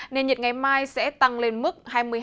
nên nhật ngày mai sẽ tăng lên mức hai mươi hai